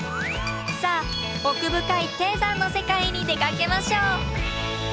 さあ奥深い低山の世界に出かけましょう。